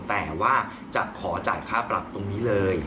แต่ว่าจะขอจ่ายค่าปรับตรงนี้เลย